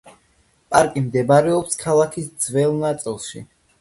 პარკი მდებარეობს ქალაქის ძველ ნაწილში.